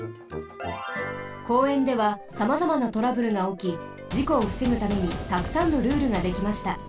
公園ではさまざまなトラブルがおきじこをふせぐためにたくさんのルールができました。